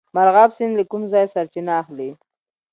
مرغاب سیند له کوم ځای سرچینه اخلي؟